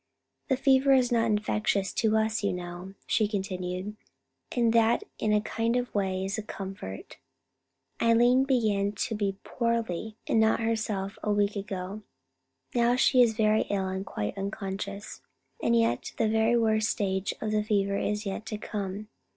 "The fever is not infectious to us, you know," she continued, "and that in a kind of way is a comfort. Eileen began to be poorly and not herself a week ago. Now she is very ill and quite unconscious, and yet the very worst stage of the fever is yet to come.